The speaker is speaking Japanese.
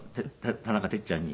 田中哲ちゃんに。